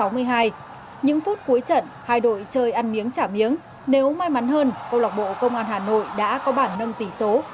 những phút cuối trận hai đội chơi ăn miếng trả miếng nếu may mắn hơn công lạc bộ công an hà nội đã có bản nâng tỷ số